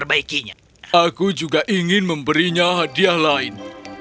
aku juga ingin memberinya hadiah lain